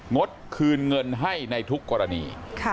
งดคืนเงินให้ในทุกกรณี